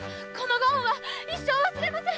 ご恩は一生忘れません！